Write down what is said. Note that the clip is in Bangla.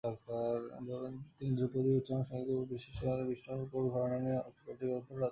তিনি ধ্রুপদী উচ্চাঙ্গ সঙ্গীতের উপর বিশেষ করে বিষ্ণুপুর ঘরানা নিয়ে কয়েকটি গ্রন্থ রচনা করেন।